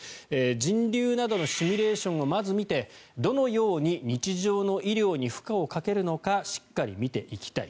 人流などのシミュレーションをまず見てどのように日常の医療に負荷をかけるのかしっかり見ていきたい。